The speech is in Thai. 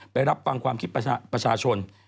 ไปรับความคิดประชาชน